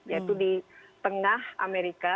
yaitu di tengah amerika